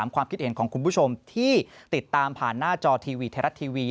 ความคิดเห็นของคุณผู้ชมที่ติดตามผ่านหน้าจอทีวี